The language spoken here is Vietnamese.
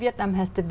tất cả đến